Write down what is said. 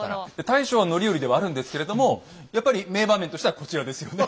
大将は範頼ではあるんですけれどもやっぱり名場面としてはこちらですよね。